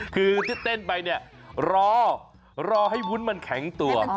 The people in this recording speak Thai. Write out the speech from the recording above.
คือที่เต้นไปเนี่ยรอรอให้วุ้นมันแข็งตัว